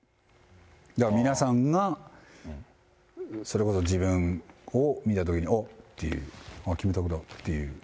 だから皆さんが、それこそ自分を見たときに、あっていう、あっ、キムタクだっていう。